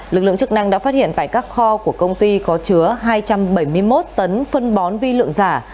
lực lượng chức năng đã phát hiện tại các kho của công ty có chứa hai trăm bảy mươi một tấn phân bón vi lượng giả